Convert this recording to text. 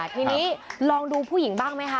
ทีนี้ลองดูผู้หญิงบ้างไหมคะ